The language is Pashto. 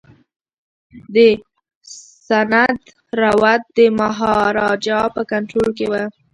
د سند رود د مهاراجا په کنټرول کي و.